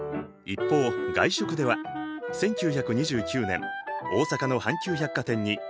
一方外食では１９２９年大阪の阪急百貨店に大食堂がオープン。